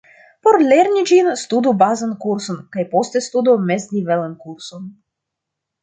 Por lerni ĝin, studu bazan kurson kaj poste studu mez-nivelan kurson.